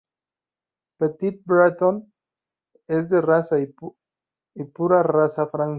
Petit-Breton es de raza y pura raza francesa.